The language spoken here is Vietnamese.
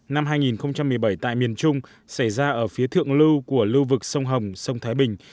năm hai nghìn một mươi bảy tại miền trung xảy ra ở phía thượng lưu của lưu vực sông hồng sông thái bình